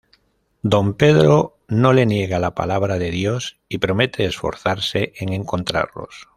Don Pedro no le niega la palabra de Dios y promete esforzarse en encontrarlos.